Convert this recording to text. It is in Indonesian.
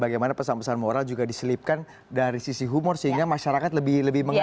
bagaimana pesan pesan moral juga diselipkan dari sisi humor sehingga masyarakat lebih mengerti